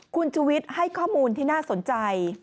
คุณชุวิตให้ข้อมูลที่น่าสนใจ